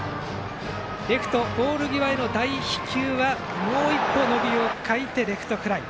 レフト、ポール際への大飛球はもう一歩伸びを欠いてレフトフライ。